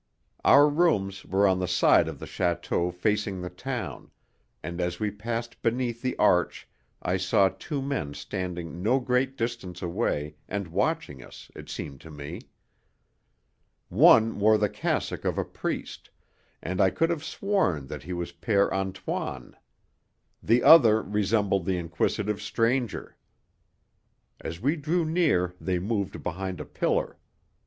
Our rooms were on the side of the Château facing the town, and as we passed beneath the arch I saw two men standing no great distance away, and watching us, it seemed to me. One wore the cassock of a priest, and I could have sworn that he was Père Antoine; the other resembled the inquisitive stranger. As we drew near they moved behind a pillar.